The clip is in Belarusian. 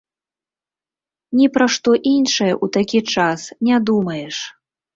Ні пра што іншае ў такі час не думаеш.